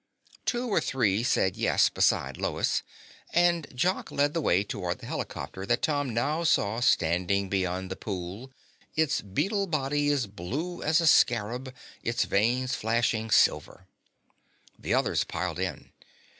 Two or three said yes besides Lois, and Jock led the way toward the helicopter that Tom now saw standing beyond the pool, its beetle body as blue as a scarab, its vanes flashing silver. The others piled in.